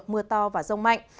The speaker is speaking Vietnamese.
mưa to và rông mạnh